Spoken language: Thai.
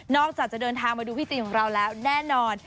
นอกจากจะเดินทางมาดูพี่จินของเราแล้วแน่นอน